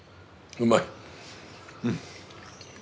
うまい。